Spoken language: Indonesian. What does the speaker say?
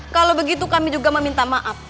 kalau begitu kami juga meminta maaf